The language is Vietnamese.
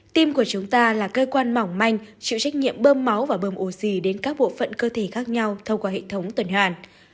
tim của chúng ta là cơ quan mỏng manh chịu trách nhiệm bơm máu và bơm ổ xì đến các bộ phận cơ thể khác nhau thông qua hệ thống tuần hoàn